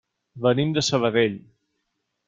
Venim de Sabadell.